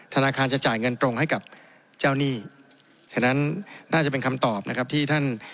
ธนาคารจะจ่ายเงินตรงให้กับเจ้าหนี้